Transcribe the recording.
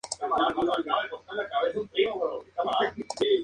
A su vez, Santa Marta es el lugar de nacimiento del cantante Carlos Vives.